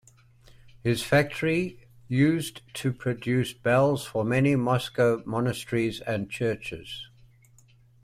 His factory used to produce bells for many Moscow monasteries and churches.